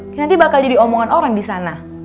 kinanti bakal jadi omongan orang disana